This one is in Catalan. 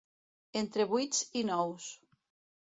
Entre vuits i nous.